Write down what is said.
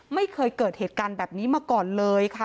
ไม่เคยเกิดเหตุการณ์แบบนี้มาก่อนเลยค่ะ